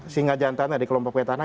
singa jantan di kelompok petahana